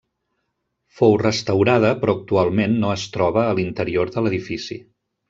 Fou restaurada però actualment no es troba a l'interior de l'edifici.